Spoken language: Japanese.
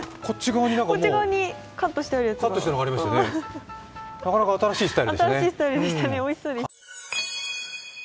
なかなか新しいスタイルでしたね。